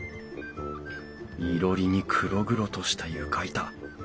いろりに黒々とした床板。